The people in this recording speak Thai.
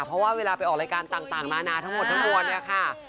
เพราะว่าเวลาไปออกรายการต่างนานาทั้งหมดทั้งมวลเนี่ยค่ะ